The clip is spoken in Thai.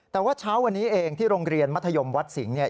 แต่ว่าเช้าวันนี้เองที่โรงเรียนมัธยมวัดสิงห์เนี่ย